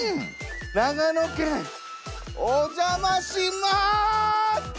長野県お邪魔します！